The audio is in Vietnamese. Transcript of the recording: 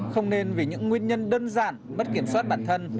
không nên vì những nguyên nhân đơn giản mất kiểm soát bản thân